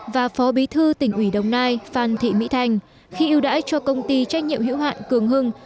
và phó bí thư tỉnh ủy đồng nai phan thị mỹ thành khi ưu đãi cho công ty trách nhiệm hữu hạn cường hưng